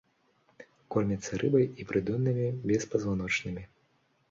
Кормяцца рыбай і прыдоннымі беспазваночнымі.